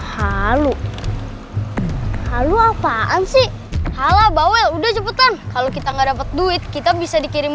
halu halu apaan sih halabawel udah cepetan kalau kita nggak dapet duit kita bisa dikirim